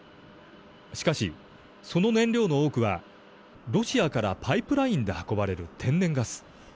しかし、その燃料の多くはロシアからパイプラインで運ばれる天然ガス。